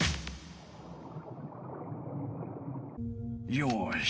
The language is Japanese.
よし。